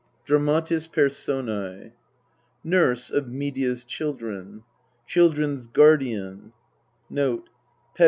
DRAMATIS PERSONS NURSE OF MEDEA'S CHILDREN. CHILDREN'S GUARDIAN/ MEDEA.